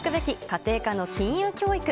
家庭科の金融教育。